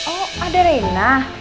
oh ada rena